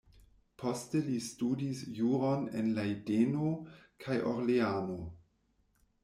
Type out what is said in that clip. Poste li studis juron en Lejdeno kaj Orleano.